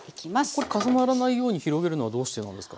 これ重ならないように広げるのはどうしてなんですか？